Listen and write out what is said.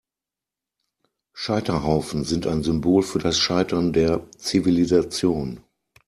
Scheiterhaufen sind ein Symbol für das Scheitern der Zivilisation.